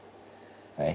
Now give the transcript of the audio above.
はい？